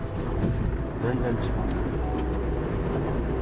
全然違う。